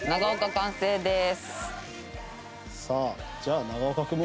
完成です！